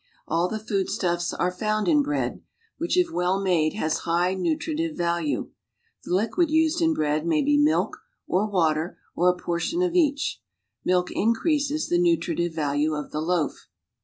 All the foodstuffs are found in bread, which if well maile has high nutritive value. The liquid used in bread may be milk or water or a portion of each; milk increases the nutritive value of the loaf.